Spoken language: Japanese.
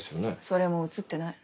それも写ってない。